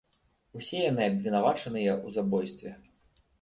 Усе яны абвінавачаныя ў забойстве.